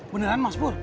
beneran mas pur